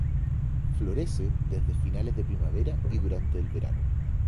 Florece desde finales de primavera y durante el verano.